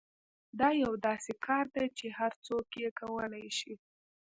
دا یو داسې کار دی چې هر څوک یې کولای شي